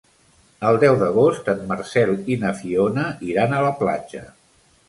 El deu d'agost en Marcel i na Fiona iran a la platja.